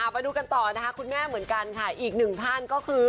ไปดูกันต่อนะคะอีกหนึ่งท่านก็คือ